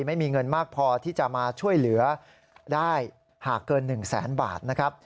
ไม่มีเงินมากพอที่จะมาช่วยเหลือได้หากเกิน๑แสนบาทนะครับ